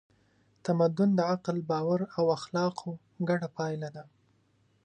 تمدن د عقل، باور او اخلاقو ګډه پایله ده.